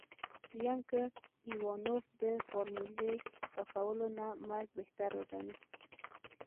ويم که ايوانوف د فارمولې راکولو نه مرګ بهتر وګڼي.